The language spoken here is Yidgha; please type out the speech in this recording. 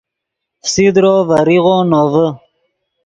فسیدرو ڤریغو نوڤے